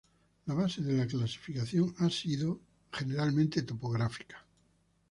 La base de la clasificación ha sido generalmente principalmente topográfica.